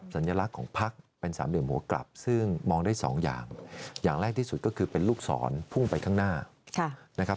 สัญลักษณ์ของพักเป็นสามเหลี่ยมหัวกลับซึ่งมองได้สองอย่างอย่างแรกที่สุดก็คือเป็นลูกศรพุ่งไปข้างหน้านะครับ